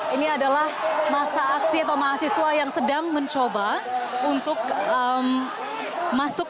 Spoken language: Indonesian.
ini adalah masa aksi atau mahasiswa yang sedang mencoba untuk masuk